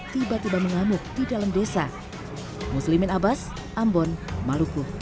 tiba tiba mengamuk di dalam desa